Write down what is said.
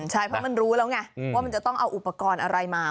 ใช่เพราะมันรู้แล้วไงว่ามันจะต้องเอาอุปกรณ์อะไรมา